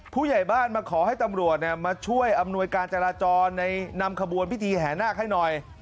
ผู้ใหญ่บ้านมาขอให้ตำรวจมาช่วยอำนวยการจราจรในนำขบวนพิธีแห่นาคให้หน่อย